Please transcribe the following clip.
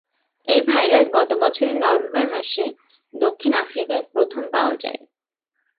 এই ভাইরাস গত বছরের নভেম্বর মাসে দক্ষিণ আফ্রিকায় প্রথম পাওয়া যায়।